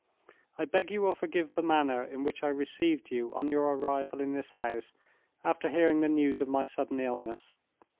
"I beg you will forgive the manner in which I received you on your arrival in this house, after hearing the news of my sudden illness.